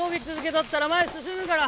とったら前進むから。